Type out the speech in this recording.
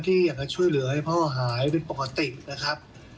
ที่อยากจะช่วยเหลือให้พ่อหายเป็นปกตินะครับ